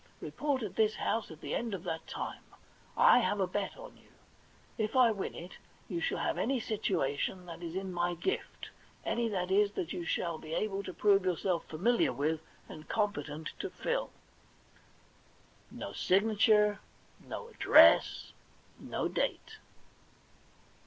Eeport at this house at the end of that time. I have a bet on you. If I win it you shall have any situation that is in my gift— any, that is, that you shall be able to prove yourself familiar with and competent to fill.' No signature, no address, no date.